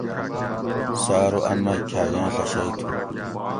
سہ ارو ان مئی کھاگاۤں ڷہ شئی تھو